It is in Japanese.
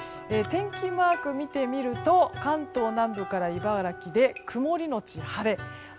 天気マークを見てみると関東南部から茨城で曇りのち晴れ。